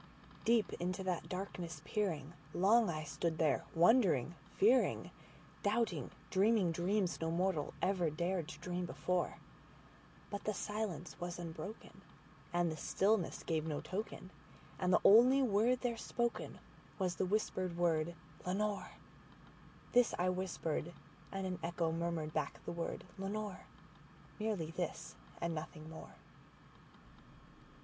Deep into that darkness peering, long I stood there wondering, fearing, Doubting, dreaming dreams no mortals ever dared to dream before; But the silence was unbroken, and the stillness gave no token, And the only word there spoken was the whispered word, "Lenore?"This I whispered, and an echo murmured back the word, "Lenore:"Merely this and nothing more.